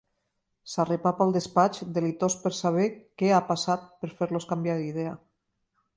S'arrepapa al despatx, delitós per saber què ha passat per fer-los canviar d'idea.